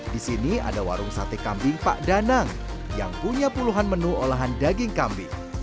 di sini ada warung sate kambing pak danang yang punya puluhan menu olahan daging kambing